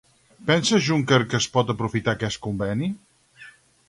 Pensa Juncker que es pot aprofitar aquest conveni?